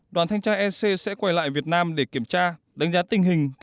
đoàn thanh tra ec sẽ quay lại việt nam để kiểm tra đánh giá tình hình